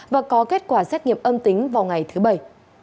và có kết quả xét nghiệm âm tính vào ngày thứ bảy